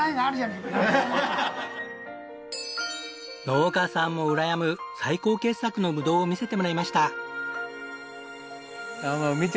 農家さんもうらやむ最高傑作のぶどうを見せてもらいました。